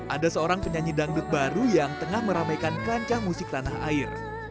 ada seorang penyanyi dangdut baru yang tengah meramaikan kancah musik tanah air